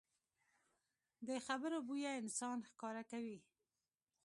د خبرو بویه انسان ښکاره کوي